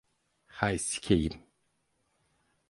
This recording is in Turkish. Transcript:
Hay sikeyim!